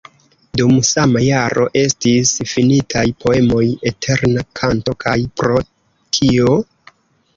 Dum sama jaro estis finitaj poemoj "Eterna kanto" kaj "Pro kio?".